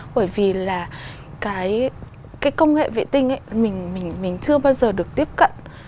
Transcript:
bởi vì là cái công nghệ vệ tinh mình chưa bao giờ được tiếp cận